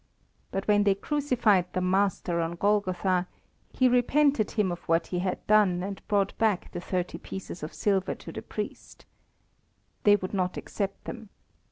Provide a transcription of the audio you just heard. But when they crucified "the Master" on Golgotha, he repented him of what he had done and brought back the thirty pieces of silver to the Priests. They would not accept them.